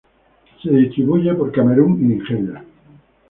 Se distribuye por Camerún y Nigeria.